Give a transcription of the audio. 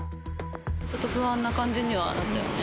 ちょっと不安な感じにはなったよね。